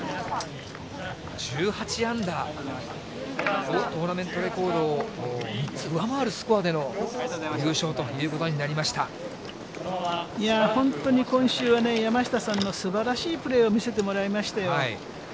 １８アンダー、トーナメントレコードを３つ上回るスコアでの優勝ということにないやー、本当に今週は、山下さんのすばらしいプレーを見せてもらいましたよ。